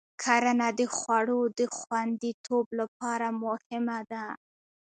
کرنه د خوړو د خوندیتوب لپاره مهمه ده.